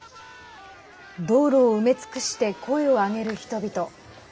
道路を埋め尽くして声を上げる人々。